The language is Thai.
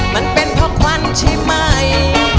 มันเป็นเพราะควันใช่ไหม